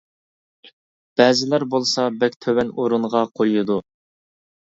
بەزىلەر بولسا بەك تۆۋەن ئورۇنغا قويىدۇ.